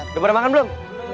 udah berapa makan belum